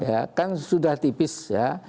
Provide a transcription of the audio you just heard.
ya kan sudah tipis ya